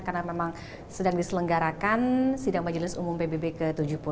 karena memang sedang diselenggarakan sidang majelis umum pbb ke tujuh puluh delapan